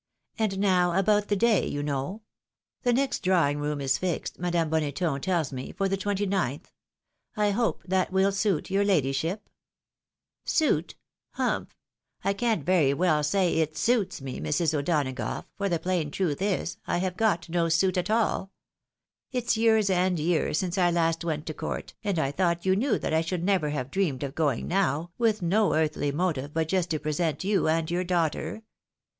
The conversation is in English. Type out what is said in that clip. And now about the day, you know. The next drawing room is fixed, Madame Boneton tells me, for the 29th— I hope that will suit your ladyship ?"" Suit ? humph ! I can't very well say it suits me Mrs. O'Donagough, for the plain truth is, I have got no suit at all. 832 THE WIDOW MAKEIED. It's years and years since I last went to court, and I thought you knew that I should never have dreamed of going now, with no earthly motive but just to present you and your daughter.